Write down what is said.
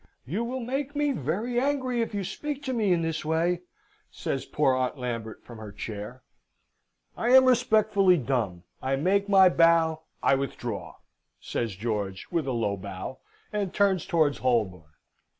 "You will make me very angry if you speak to me in this way," says poor Aunt Lambert from her chair. "I am respectfully dumb. I make my bow. I withdraw," says George, with a low bow, and turns towards Holborn.